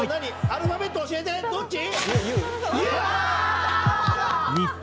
アルファベット教えてどっち？」